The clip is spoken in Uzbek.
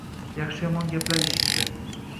Yaxshi-yomon gaplar eshitdi.